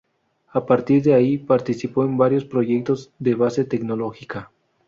A partir de ahí participó en varios proyectos de base tecnológica.